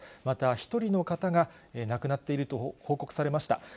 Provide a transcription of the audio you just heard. また１人の方が亡くなっていると報告されました。